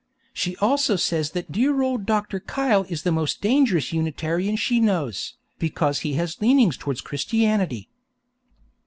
She also says that dear old Dr. Kyle is the most dangerous Unitarian she knows, because he has leanings towards Christianity.